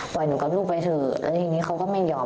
หนูกับลูกไปเถอะแล้วทีนี้เขาก็ไม่ยอม